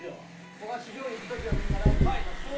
焦がし醤油いく時はみんなライブ行きますんで。